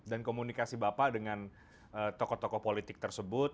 dan komunikasi bapak dengan tokoh tokoh politik tersebut